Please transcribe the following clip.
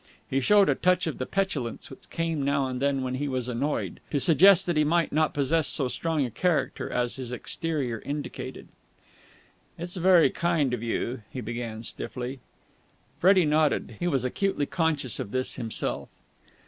He showed a touch of the petulance which came now and then when he was annoyed, to suggest that he might not possess so strong a character as his exterior indicated. "It's very kind of you," he began stiffly. Freddie nodded. He was acutely conscious of this himself.